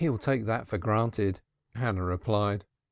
"He'll take that for granted," Hannah replied.